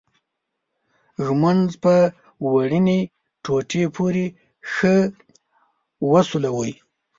ږمنځ په وړینې ټوټې پورې ښه وسولوئ.